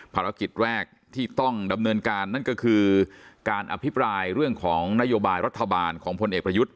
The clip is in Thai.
ภารกิจแรกที่ต้องดำเนินการนั่นก็คือการอภิปรายเรื่องของนโยบายรัฐบาลของพลเอกประยุทธ์